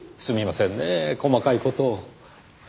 すみませんねぇ細かい事を。